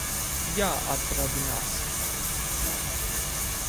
Jāatrādinās.